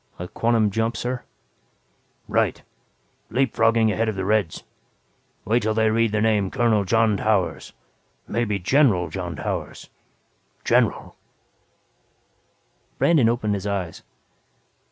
"A quantum jump sir?" "Right. Leap frogging ahead of the Reds. Wait till they read the name Colonel John Towers maybe General John Towers General." Brandon opened his eyes.